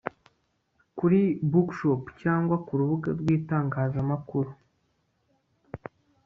kuri bookshop. cyangwa ku rubuga rw'itangazamakuru